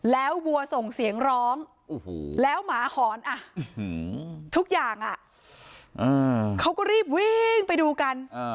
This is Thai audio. แล้ววัวส่งเสียงร้องแล้วหมาหอนทุกอย่างเขาก็รีบวิ่งไปดูกัน